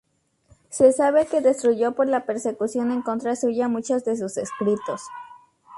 Se sabe que destruyó, por la persecución en contra suya, muchos de sus escritos.